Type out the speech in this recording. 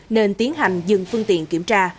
nên tiến hành dừng phương tiện kiểm tra